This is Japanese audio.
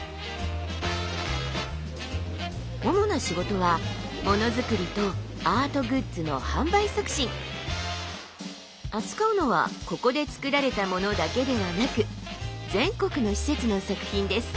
主な仕事はものづくりと扱うのはここで作られたものだけではなく全国の施設の作品です。